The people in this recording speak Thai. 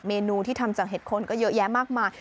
เมนูที่ทำจากเห็ดคนก็เยอะแยะมากมาย